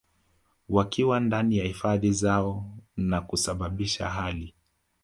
wakiwa ndani ya hifadhi zao na kusababisha hali